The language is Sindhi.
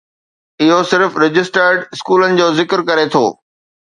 اهو صرف رجسٽرڊ اسڪولن جو ذڪر ڪري ٿو.